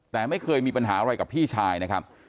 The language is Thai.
แต่ไม่เคยมีปัญหาอะไรกับพี่ชายนะครับ